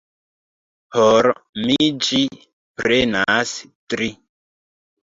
Por mi ĝi prenas tri.